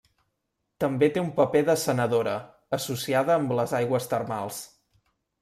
També té un paper de sanadora, associada amb les aigües termals.